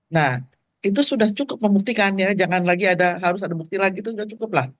nah itu sudah cukup membuktikan ya jangan lagi harus ada bukti lagi itu sudah cukup lah